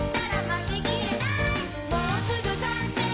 「もうすぐかんせい！